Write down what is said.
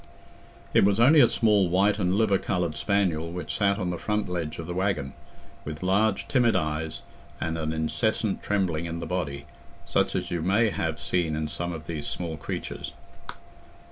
It was only a small white and liver coloured spaniel which sat on the front ledge of the waggon, with large timid eyes, and an incessant trembling in the body, such as you may have seen in some of these small creatures.